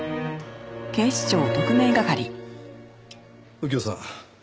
右京さん。